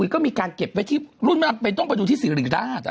ก็มีการเก็บไว้ที่รุ่นมาไปต้องไปดูที่ซีอุ่ยได้อาจจะ